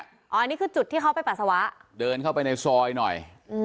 อันนี้คือจุดที่เขาไปปัสสาวะเดินเข้าไปในซอยหน่อย